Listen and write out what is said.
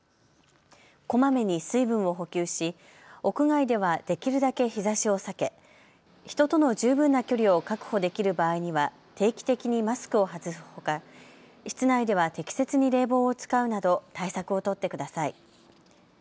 こまめに水分を補給し、屋外ではできるだけ日ざしを避け、人との十分な距離を確保できる場合には定期的にマスクを外すほか、室内では適切に冷房を使うなど対策を取ってください。